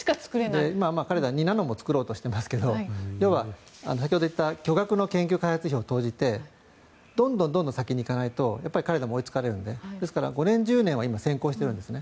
今、彼らは２ナノも作ろうとしていますが先ほども言った巨額の研究開発費を使ってどんどん先に行かないと追いつかれるので５年、１０年は先行してるんですね。